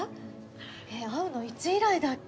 会うのいつ以来だっけ？